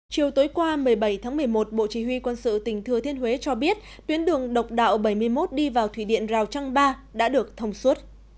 chiều tối qua một mươi bảy tháng một mươi một bộ chỉ huy quân sự tỉnh thừa thiên huế cho biết tuyến đường độc đạo bảy mươi một đi vào thủy điện rào trăng ba đã được thông suốt